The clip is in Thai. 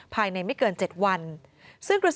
ภายในไม่เกิน๗วัน